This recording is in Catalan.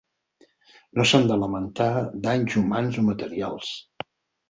No s’han de lamentar danys humans o materials.